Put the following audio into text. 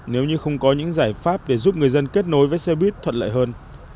nếu như không có những giải pháp để giúp người dân kết nối với xe buýt thuận lợi hơn